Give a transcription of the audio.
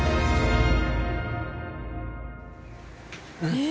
えっ！